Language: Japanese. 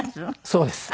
そうです。